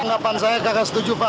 penggapan saya kagak setuju pak